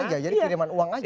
jadi kiriman uang aja